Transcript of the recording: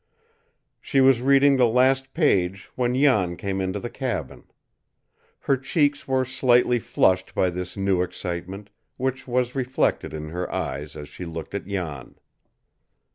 She was reading the last page when Jan came into the cabin. Her cheeks were slightly flushed by this new excitement, which was reflected in her eyes as she looked at Jan.